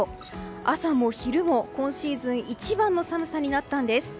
朝も昼も今シーズン一番の寒さになったんです。